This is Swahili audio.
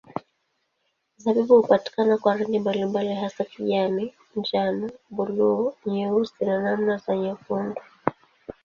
Zabibu hupatikana kwa rangi mbalimbali hasa kijani, njano, buluu, nyeusi na namna za nyekundu.